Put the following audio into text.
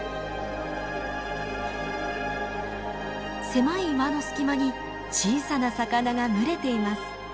狭い岩の隙間に小さな魚が群れています。